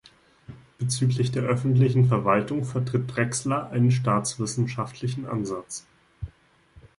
Bezüglich der Öffentlichen Verwaltung vertritt Drechsler einen staatswissenschaftlichen Ansatz.